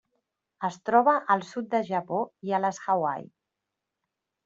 Es troba al sud del Japó i a les Hawaii.